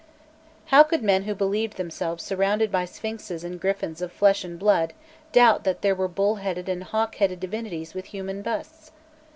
How could men who believed themselves surrounded by sphinxes and griffins of flesh and blood doubt that there were bull headed and hawk headed divinities with human busts?